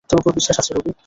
তোর উপর বিশ্বাস আছে, রবি।